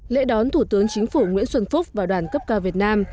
lễ đón thủ tướng chính phủ nguyễn xuân phúc và đoàn cấp cao việt nam